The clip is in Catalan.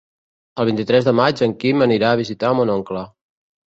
El vint-i-tres de maig en Quim anirà a visitar mon oncle.